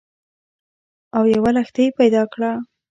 او یوه لښتۍ پیدا کړه